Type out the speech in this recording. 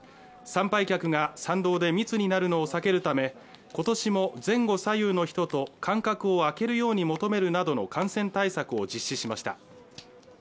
参拝客が参道で密になるのを避けるため今年も前後左右の人と間隔をあけるように求めるなどの感染対策を実施しました。